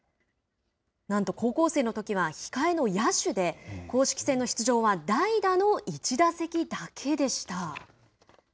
高校生のときは控えの野手で公式戦の出場は代打の１打席だけでした。